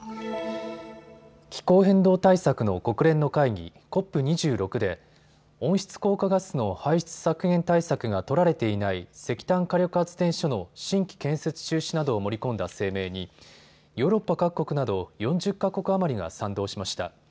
気候変動対策の国連の会議、ＣＯＰ２６で温室効果ガスの排出削減対策が取られていない石炭火力発電所の新規建設中止などを盛り込んだ声明にヨーロッパ各国など４０か国余りが賛同しました。